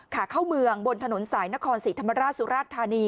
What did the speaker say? ขาเข้าเมืองบนถนนสายนครศรีธรรมราชสุราชธานี